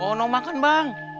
mau gak makan bang